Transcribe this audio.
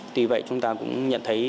tuy vậy chúng ta cũng nhận thấy